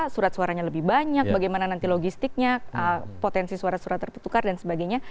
surat suaranya lebih banyak bagaimana nanti logistiknya potensi suara surat tertukar dan sebagainya